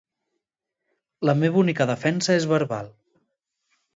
La meva única defensa és verbal.